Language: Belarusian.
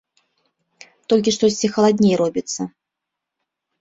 Толькі штосьці халадней робіцца.